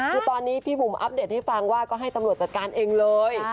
คือตอนนี้พี่บุ๋มอัปเดตให้ฟังว่าก็ให้ตำรวจจัดการเองเลย